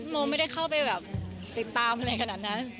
โมไม่ได้เข้าไปแบบติดตามอะไรขนาดนั้น